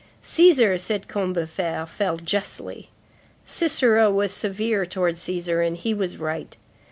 "Cæsar," said Combeferre, "fell justly. Cicero was severe towards Cæsar, and he was right.